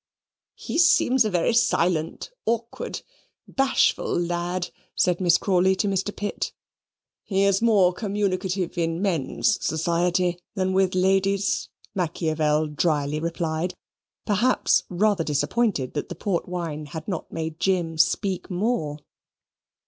"He seems a very silent, awkward, bashful lad," said Miss Crawley to Mr. Pitt. "He is more communicative in men's society than with ladies," Machiavel dryly replied: perhaps rather disappointed that the port wine had not made Jim speak more.